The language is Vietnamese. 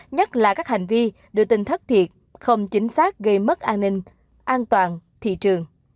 nhất là các hành vi đưa tin thất thiệt không chính xác gây mất an ninh an toàn thị trường